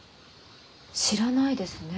知らないですね。